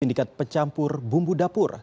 sindikat pencampur bumbu dapur